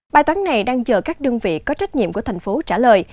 bài toán này đang chờ các đơn vị có trách nhiệm của thành phố trả lời